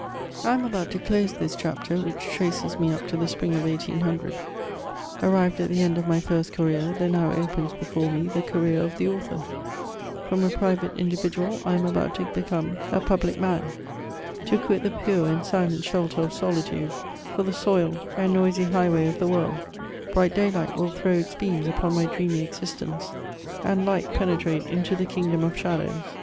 I am about to dose this chapter, which traces me up to the spring of 1800 ; arrived at the end of my first career, there now opens before me the career of the author : from a private in dividual, I am about to become a public man; to quit the pure and silent shelter of soHtude, for the soiled and noisy highv^y of the world ; bright daylight will throw its beams upon my dreamy existence, and light penetrate into the king dom of shadows.